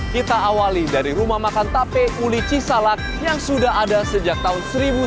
kita awali dari rumah makan tape uli cisalak yang sudah ada sejak tahun seribu sembilan ratus sembilan puluh